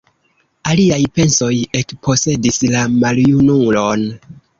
Aliaj pensoj ekposedis la maljunulon.